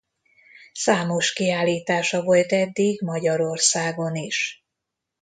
Számos kiállítása volt eddig Magyarországon is.